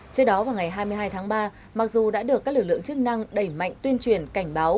trước đó vào ngày hai mươi hai tháng ba mặc dù đã được các lực lượng chức năng đẩy mạnh tuyên truyền cảnh báo